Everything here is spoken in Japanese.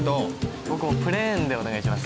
僕もプレーンでお願いします。